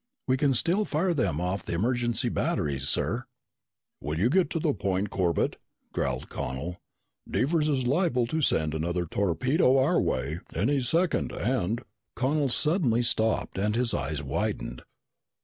"We can still fire them off the emergency batteries, sir." "Will you get to the point, Corbett?" growled Connel. "Devers is liable to send another torpedo our way any second and " Connel suddenly stopped and his eyes widened.